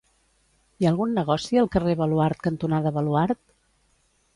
Hi ha algun negoci al carrer Baluard cantonada Baluard?